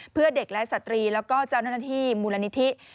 เพื่อเด็กและสตรีแล้วก็เจ้าหน้าที่มูลนิธิ